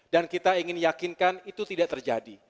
dan kita ingin meyakinkan itu tidak terjadi